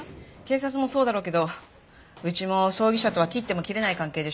警察もそうだろうけどうちも葬儀社とは切っても切れない関係でしょ。